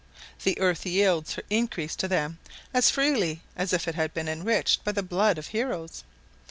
The earth yields her increase to them as freely as if it had been enriched by the blood of heroes.